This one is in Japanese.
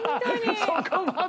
そこまで！